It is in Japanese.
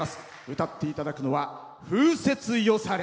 歌っていただくのは「風雪よされ」。